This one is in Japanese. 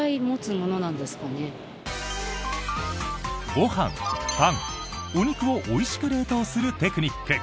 ご飯、パン、お肉をおいしく冷凍するテクニック！